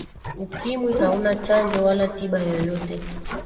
ukimwi hauna chanjo wala tiba yoyote